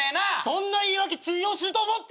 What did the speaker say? そんな言い訳通用すると思ってんのかよ！